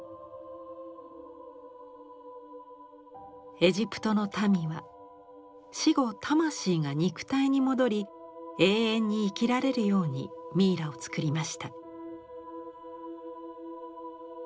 エジプトの民は死後魂が肉体に戻り永遠に生きられるようにミイラを作りました。